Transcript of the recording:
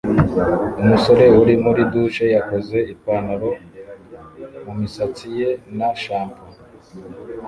Umusore uri muri douche yakoze ipanaro mumisatsi ye na shampoo